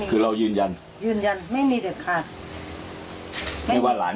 อืม